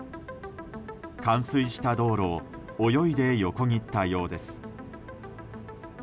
冠水した道路を泳いで横切ったようです。